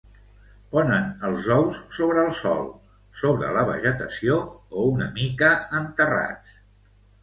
Ponen els ous sobre el sòl, sobre la vegetació o una mica enterrats.